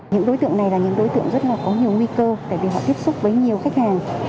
những đối tượng này là những đối tượng rất là có nhiều nguy cơ tại vì họ tiếp xúc với nhiều khách hàng